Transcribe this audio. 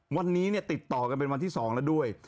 วันนี้ติดต่อกันเป็นวันที่๒แล้วด้วย